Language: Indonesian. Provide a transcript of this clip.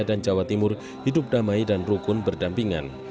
dan jawa timur hidup damai dan rukun berdampingan